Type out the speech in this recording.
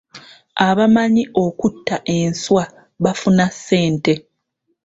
Abamanyi okutta enswa bafuna ssente.